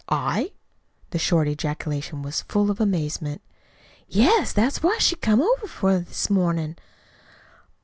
"I?" The short ejaculation was full of amazement. "Yes. That's what she come over for this mornin'."